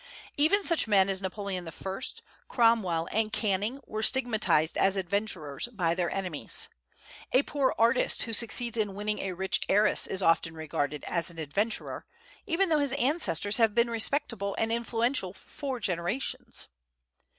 Even such men as Napoleon I., Cromwell, and Canning were stigmatized as adventurers by their enemies. A poor artist who succeeds in winning a rich heiress is often regarded as an adventurer, even though his ancestors have been respectable and influential for four generations.